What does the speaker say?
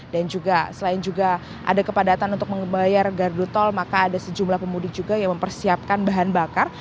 dan juga selain juga ada kepadatan untuk membayar gardu tol maka ada sejumlah pemudik juga yang mempersiapkan bahan bakar